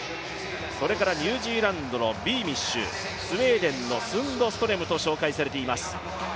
それからニュージーランドのビーミッシュ、スウェーデンのスンドストレムと紹介されています。